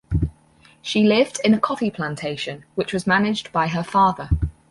She lived in a coffee plantation which was managed by her father.